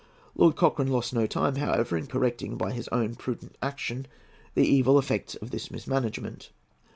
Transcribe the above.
Lord Cochrane lost no time, however, in correcting by his own prudent action the evil effects of this mismanagement.